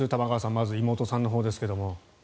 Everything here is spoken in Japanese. まず、妹さんのほうですけども。